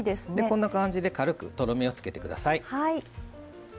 こんな感じで軽くとろみをつけてください。